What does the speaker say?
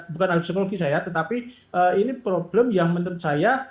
bukan alat psikologi saya tetapi ini problem yang menurut saya